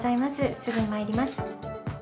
すぐに参ります。